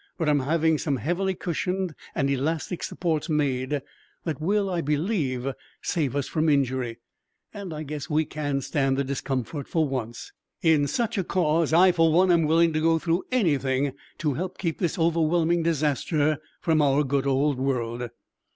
But I'm having some heavily cushioned and elastic supports made that will, I believe, save us from injury. And I guess we can stand the discomfort for once." "Yes," I agreed, "in such a cause, I, for one, am willing to go through anything to help keep this overwhelming disaster from our good old world."